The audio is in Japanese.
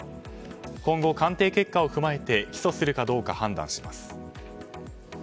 今後、鑑定結果を踏まえて起訴するかどうか判断します。